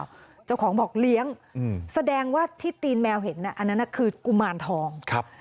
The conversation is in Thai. กีฝุ่มกับที่เจ้าของบอกเลี้ยงแสดงว่าที่ตีนแมวเห็นนั้นคือกุมารทอง